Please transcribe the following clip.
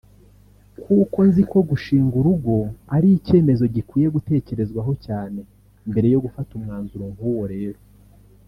Kuko nziko gushinga urugo ari icyemezo gikwiye gutekerezwaho cyane mbere yo gufata umwanzuro nk’uwo rero